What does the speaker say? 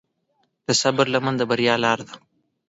د صبر لمن د بریا لاره ده.